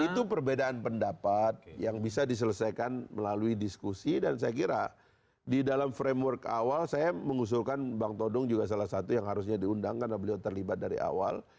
itu perbedaan pendapat yang bisa diselesaikan melalui diskusi dan saya kira di dalam framework awal saya mengusulkan bang todong juga salah satu yang harusnya diundang karena beliau terlibat dari awal